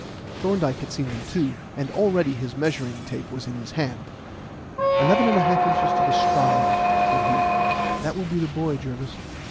Thorndyke had seen them, too, and already his measuring tape was in his hand. "Eleven and a half inches to the stride," said he. "That will be the boy, Jervis.